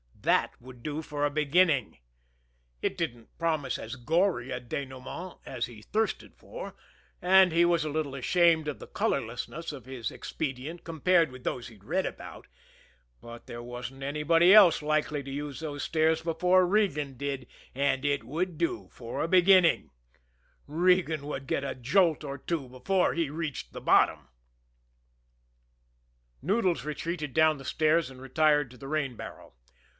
That would do for a beginning! It didn't promise as gory a dénouement as he thirsted for, and he was a little ashamed of the colorlessness of his expedient compared with those he'd read about, but there wasn't anybody else likely to use those stairs before Regan did, and it would do for a beginning Regan would get a jolt or two before he reached the bottom! Noodles retreated down the stairs and retired to the rain barrel.